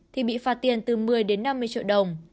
thì bị phạt tiền từ một mươi đến năm mươi triệu đồng